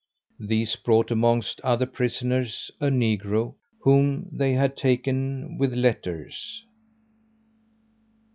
These brought amongst other prisoners, a negro, whom they had taken with letters.